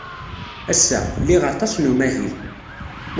Ass-a, liɣ aṭas n umahil.